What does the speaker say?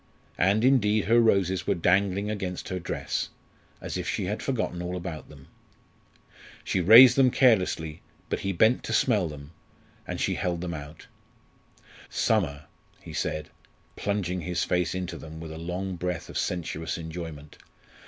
And indeed her roses were dangling against her dress, as if she had forgotten all about them. She raised them carelessly, but he bent to smell them, and she held them out. "Summer!" he said, plunging his face into them with a long breath of sensuous enjoyment.